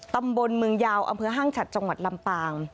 ตำบลเมืองยาวอำเภอห้างฉัดจังหวัดลำปาง